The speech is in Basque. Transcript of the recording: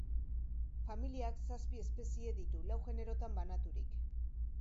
Familiak zazpi espezie ditu, lau generotan banaturik.